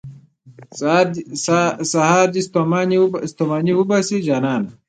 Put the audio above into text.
سهار دې ستوماني وباسه، جانانه.